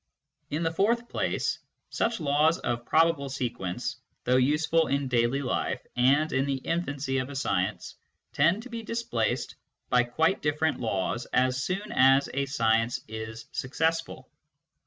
In the fourth place, such laws of probable sequence, though useful in daily life and in the infancy of a science, tend to be displaced by quite different laws as soon as a science is successful.